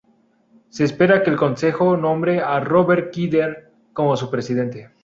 Se espera que el Consejo nombre a Robert Kidder como su Presidente.